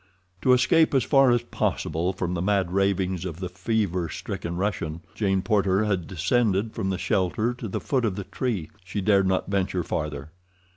To escape as far as possible from the mad ravings of the fever stricken Russian, Jane Porter had descended from the shelter to the foot of the tree—she dared not venture farther.